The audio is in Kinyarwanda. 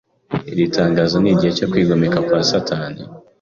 Iri tangazo ni igihe cyo kwigomeka kwa Satani